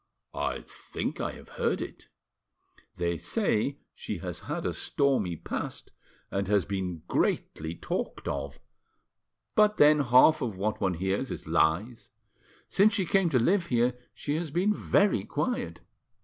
"I think I have heard it." "They say she has had a stormy past, and has been greatly talked of; but then half of what one hears is lies. Since she came to live here she has been very quiet.